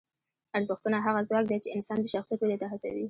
ارزښتونه هغه ځواک دی چې انسان د شخصیت ودې ته هڅوي.